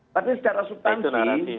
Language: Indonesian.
tapi secara substansi